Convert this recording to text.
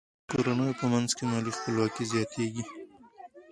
د کورنیو په منځ کې مالي خپلواکي زیاتیږي.